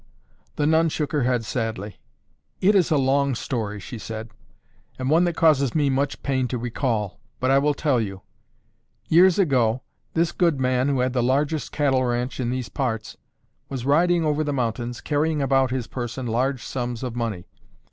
The nun shook her head sadly. "It is a long story," she said, "and one that causes me much pain to recall, but I will tell you. Years ago this good man, who had the largest cattle ranch in these parts, was riding over the mountains carrying about his person large sums of money.